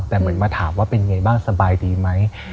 แต่เหมือนมาถามว่าเป็นไงบ้างสบายดีไหม